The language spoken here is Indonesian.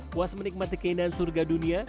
puas menikmati keindahan surga dunia